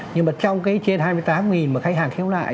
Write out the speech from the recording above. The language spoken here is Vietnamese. nhưng mà trong cái trên hai mươi tám mà khách hàng khiếu nại